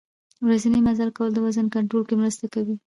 ورځنی مزل کول د وزن کنترول کې مرسته کوي.